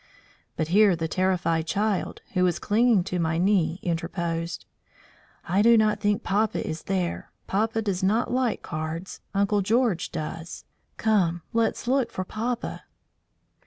But here the terrified child, who was clinging to my knee, interposed: "I do not think papa is there. Papa does not like cards. Uncle George does. Come, let's look for papa."